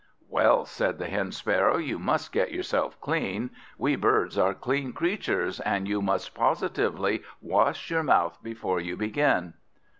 "Well," said the Hen sparrow, "you must get yourself clean. We birds are clean creatures, and you must positively wash your mouth before you begin."